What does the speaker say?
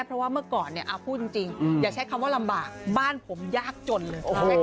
เพราะว่าเมื่อก่อนเนี่ยพูดจริงอย่าใช้คำว่าลำบากบ้านผมยากจนเลย